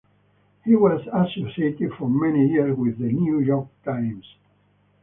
He was associated for many years with The New York Times.